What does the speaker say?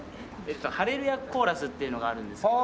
『ハレルヤ・コーラス』っていうのがあるんですけど。